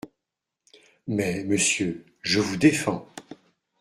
Mais, monsieur, je vous défends !…